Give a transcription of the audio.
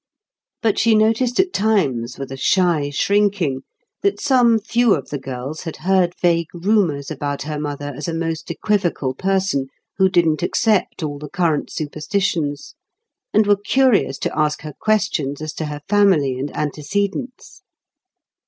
But she noticed at times with a shy shrinking that some few of the girls had heard vague rumors about her mother as a most equivocal person, who didn't accept all the current superstitions, and were curious to ask her questions as to her family and antecedents.